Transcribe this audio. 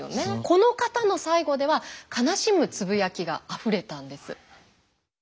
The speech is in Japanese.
この方の最期では悲しむつぶやきがあふれたんです。